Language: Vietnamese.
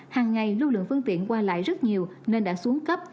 hàng ngày lưu lượng phương tiện qua lại rất nhiều nên đã xuống cấp